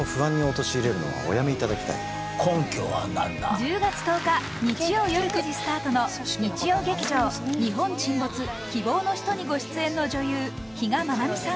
１０月１０日日曜夜９時スタートの日曜劇場「日本沈没−希望のひと−」に出演中の女優・比嘉愛未さん。